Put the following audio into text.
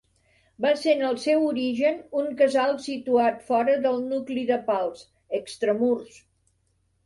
Va ser en el seu origen un casal situat fora del nucli de Pals, extramurs.